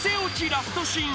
ラストシーン